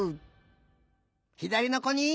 ひだりのこに！